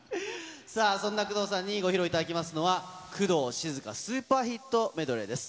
そんな工藤さんにご披露いただきますのは、工藤静香スーパーヒットメドレーです。